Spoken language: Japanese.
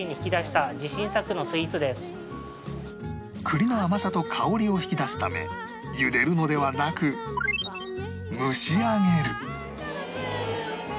栗の甘さと香りを引き出すためゆでるのではなく蒸し上げる